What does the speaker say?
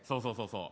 そうそう。